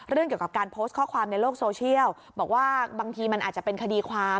เกี่ยวกับการโพสต์ข้อความในโลกโซเชียลบอกว่าบางทีมันอาจจะเป็นคดีความ